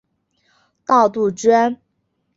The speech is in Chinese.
大杜鹃。